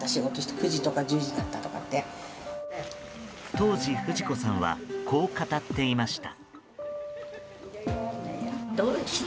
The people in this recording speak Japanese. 当時、不二子さんはこう語っていました。